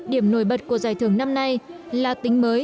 điểm nổi bật của giải thưởng năm nay là tính mới